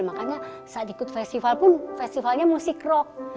makanya saat ikut festival pun festivalnya musik rock